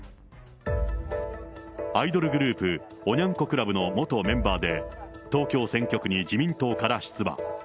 アイドルグループ、おニャン子クラブの元メンバーで、東京選挙区に自民党から出馬。